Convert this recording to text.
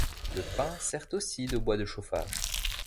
Le pin sert aussi de bois de chauffage.